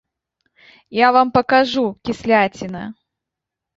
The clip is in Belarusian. Я вам пакажу, кісляціна!